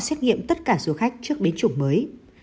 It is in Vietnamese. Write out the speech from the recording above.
xét nghiệm tất cả du khách trước biến chủng mới